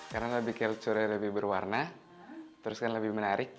karena lebih kelturnya lebih berwarna terus kan lebih menarik